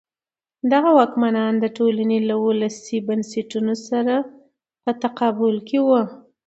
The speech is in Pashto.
دغه واکمنان د ټولنې له ولسي بنسټونو سره په تقابل کې وو.